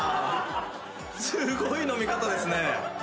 すごい飲み方ですね。